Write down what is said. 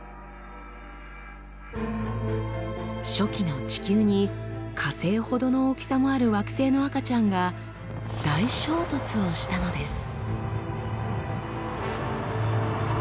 初期の地球に火星ほどの大きさもある惑星の赤ちゃんが大衝突をしたのです。